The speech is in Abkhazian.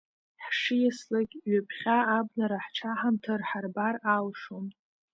Ҳшиаслак, ҩаԥхьа абнара ҳҽаҳамҭар, ҳарбар алшон.